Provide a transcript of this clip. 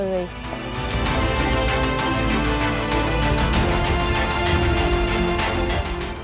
เหมือนพื้นที่ขึ้นพื้นที่เกอร์